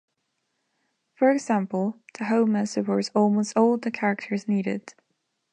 For example, Tahoma supports almost all the characters needed.